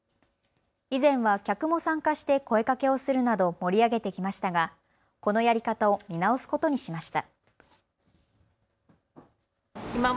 以前は客も参加して声かけをするなどを盛り上げてきましたがこのやり方を見直すことにしました。